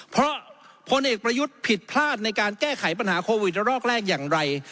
เพราะพลเอกประยุทธ์ผิดพลาดในการแก้ไขปัญหาโควิดระรอกแรกอย่างไร